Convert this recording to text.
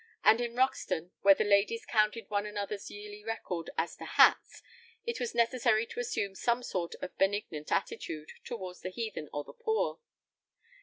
And in Roxton, where the ladies counted one another's yearly record as to hats, it was necessary to assume some sort of benignant attitude towards the heathen or the poor.